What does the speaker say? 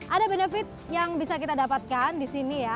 ada benefit yang bisa kita dapatkan di sini ya